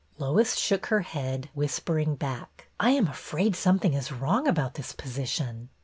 Lois shook her head, whispering back: " I am afraid something is wrong about this position."